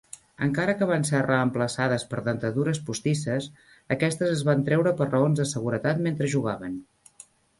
Encara que van ser reemplaçades per dentadures postisses, aquestes es van treure per raons de seguretat mentre jugaven.